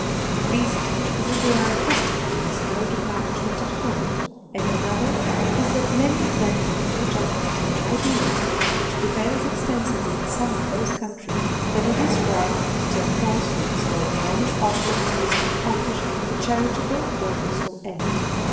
One reason is that they are accustomed to this mode of management at home; and another is that many of them are brought up under an idea, which prevails extensively in some of those countries, that it is right to tell falsehoods where the honest object is to accomplish a charitable or useful end.